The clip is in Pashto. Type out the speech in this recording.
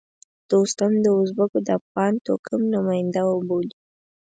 دوستم د ازبکو د افغان توکم نماینده وبولي.